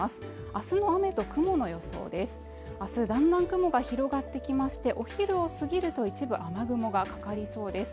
明日の雨と雲の予想です明日はだんだん雲が広がってきましてお昼を過ぎると一部雨雲がかかりそうです